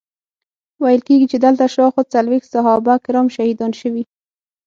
ویل کیږي چې دلته شاوخوا څلویښت صحابه کرام شهیدان شوي.